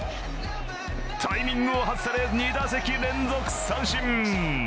タイミングを外され、２打席連続三振。